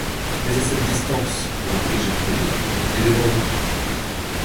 Mais à cette distance! reprit Jacques Collin, et devant vous?...